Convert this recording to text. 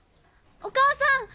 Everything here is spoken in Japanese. お母さん！